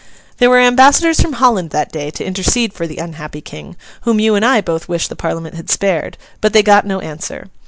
There were ambassadors from Holland that day, to intercede for the unhappy King, whom you and I both wish the Parliament had spared; but they got no answer.